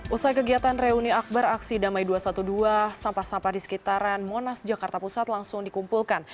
usai kegiatan reuni akbar aksi damai dua ratus dua belas sampah sampah di sekitaran monas jakarta pusat langsung dikumpulkan